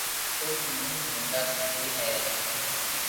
او رو نوم ھونڌا سي دي ھي